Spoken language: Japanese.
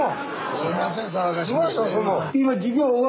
すいません騒がしくして。